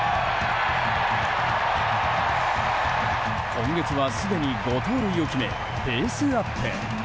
今月は、すでに５盗塁を決めペースアップ。